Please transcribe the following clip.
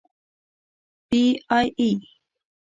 پی ای اې.